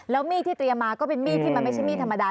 แล้วมีดที่เตรียมมาก็เป็นมีดที่มันไม่ใช่มีดธรรมดา